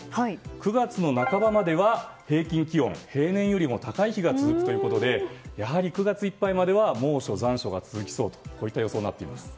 ９月の半ばまでは平均気温、平年よりも高い日が続くということでやはり９月いっぱいまでは猛暑、残暑が続きそうな予想となっています。